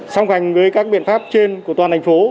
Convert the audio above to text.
song hành với các biện pháp trên của toàn thành phố